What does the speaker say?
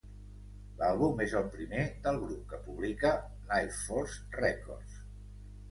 L'àlbum és el primer del grup que publica Lifeforce Records.